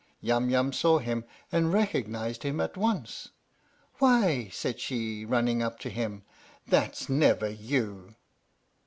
Yum Yum saw him and recognized him at once. "Why," said she, running up to him, "that's never you